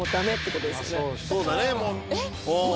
そうだね。